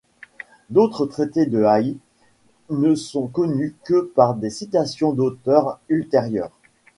D'autres traités de Haï ne sont connus que par des citations d'auteurs ultérieurs.